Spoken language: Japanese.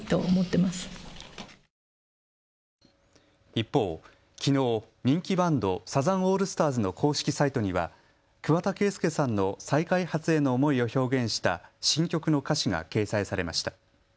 一方、きのう、人気バンド、サザンオールスターズの公式サイトには桑田佳祐さんの再開発への思いを表現した新曲の歌詞が掲載されました。